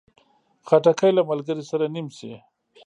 خټکی له ملګري سره نیم شي.